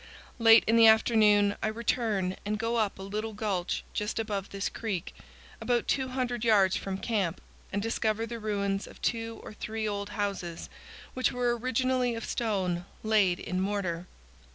Late in the afternoon I return and go up a little gulch just above this creek, about 200 yards from camp, and discover the ruins of two or three old houses, which were originally of stone laid in mortar.